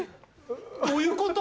どういうこと？